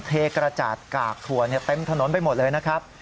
เทกระจาดกากถั่วเต็มถนนไปหมดเลยนะครับ